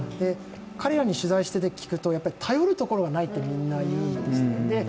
彼らに取材して聞くと、頼るところがないってみんな言うんですね。